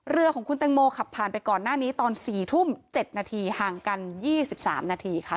เรือของคุณแตงโมขับผ่านไปก่อนหน้านี้ตอน๔ทุ่ม๗นาทีห่างกัน๒๓นาทีค่ะ